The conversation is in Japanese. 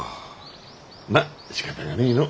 まっしかたがねえのう。